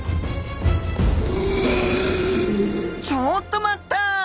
ちょっと待った！